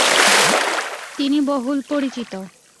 তিনি বহুল পরিচিত।